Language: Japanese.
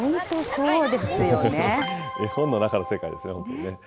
本の中の世界ですね、本当にね。